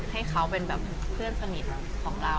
ให้เขาเป็นแบบเพื่อนสนิทของเรา